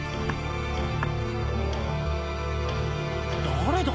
誰だ？